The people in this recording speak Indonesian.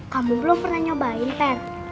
kamu belum pernah nyobain ten